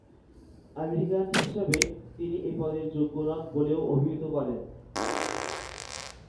American হিসেবে তিনি এ পদের যোগ্য নন বলেও অভিহিত করেন।